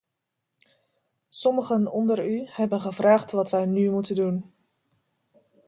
Sommigen onder u hebben gevraagd wat wij nu moeten doen.